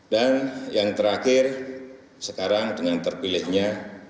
dan yang terakhir sekarang dengan terpilihnya